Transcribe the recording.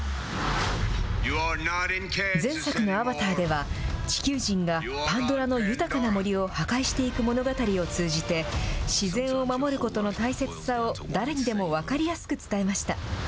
前作のアバターでは、地球人がパンドラの豊かな森を破壊していく物語を通じて、自然を守ることの大切さを誰にでも分かりやすく伝えました。